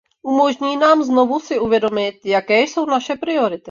Umožní nám znovu si uvědomit, jaké jsou naše priority.